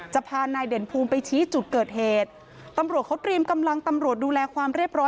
จะพานายเด่นภูมิไปชี้จุดเกิดเหตุตำรวจเขาเตรียมกำลังตำรวจดูแลความเรียบร้อย